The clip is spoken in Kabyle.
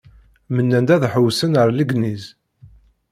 Mennan-d ad ḥewwsen ar Legniz.